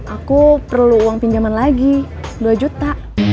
aku perlu uang pinjaman lagi dua juta